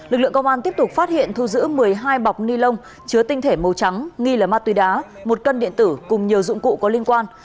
lực lượng công an tiếp tục phát hiện thu giữ một mươi hai bọc ni lông chứa tinh thể màu trắng nghi là ma túy đá một cân điện tử cùng nhiều dụng cụ có liên quan